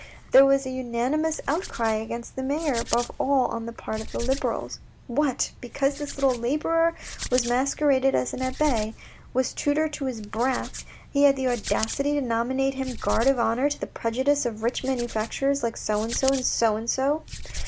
There was a unanimous out cry against the mayor, above all on the part of the Liberals. What, because this little labourer, who masqueraded as an abbe, was tutor to his brats, he had the audacity to nominate him guard of honour to the prejudice of rich manufacturers like so and so and so and so